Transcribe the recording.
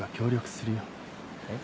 えっ？